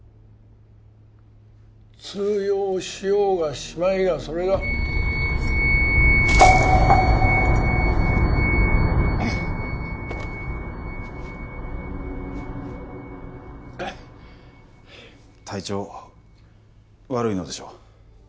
通用しようがしまいがそれが体調悪いのでしょう？